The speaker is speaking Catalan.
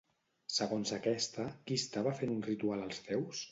Segons aquesta, qui estava fent un ritual als déus?